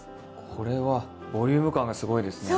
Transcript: これはボリューム感がすごいですね。